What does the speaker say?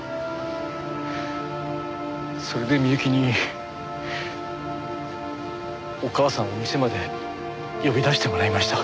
それで美雪にお母さんを店まで呼び出してもらいました。